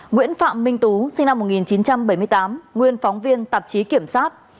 nguyễn phạm minh tú sinh năm một nghìn chín trăm bảy mươi tám nguyên phóng viên tạp chí kiểm soát